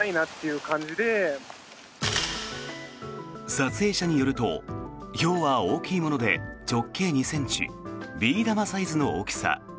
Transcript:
撮影者によるとひょうは大きいもので直径２ｃｍビー玉サイズの大きさ。